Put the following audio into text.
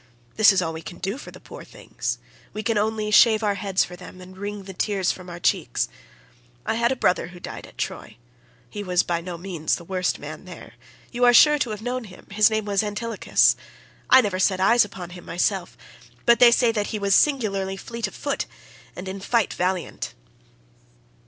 This is all we can do for the poor things. We can only shave our heads for them and wring the tears from our cheeks. I had a brother who died at Troy; he was by no means the worst man there; you are sure to have known him—his name was Antilochus; I never set eyes upon him myself, but they say that he was singularly fleet of foot and in fight valiant."